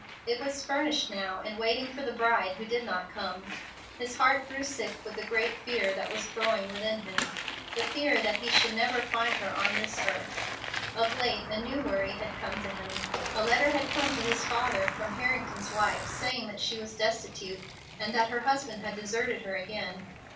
It was furnished now, and waiting for the bride who did not come. His heart grew sick with the great fear that was growing within him, the fear that he should never find her on this earth. Of late, a new worry had come to him. A letter had come to his father from Harrington's wife, saying that she was destitute, as her husband had deserted her again.